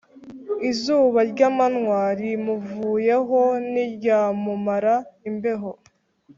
izuba ry’amanywa rimuvuyeho ntiryamumara imbeho,